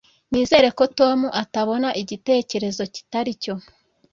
nizere ko tom atabona igitekerezo kitari cyo